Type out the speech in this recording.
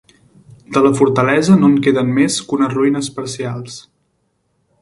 De la fortalesa no en queden més que unes ruïnes parcials.